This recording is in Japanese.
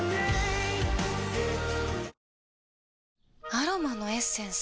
アロマのエッセンス？